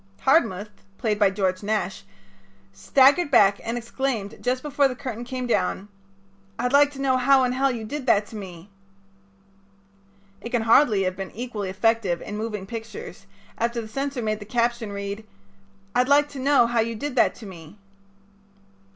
Hardmuth, played by George Nash, staggered back and exclaimed, just before the curtain came down: "I'd like to know how in Hell you did that to me." It can hardly have been equally effective in moving pictures after the censor made the caption read: "I'd like to know how you did that to me."